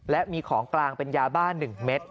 และมีของกลางเป็นยาบ้าน๑เม็ด